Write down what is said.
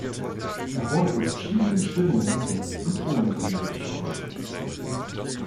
Er wurde in verschiedenen Stimmungen mit und ohne Bünde gespielt.